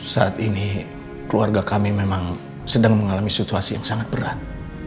saat ini keluarga kami memang sedang mengalami situasi yang sangat berat